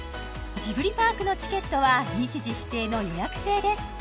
ジブリパークのチケットは日時指定の予約制です